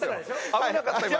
危なかった今。